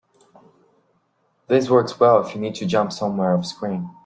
This works well if you need to jump somewhere offscreen.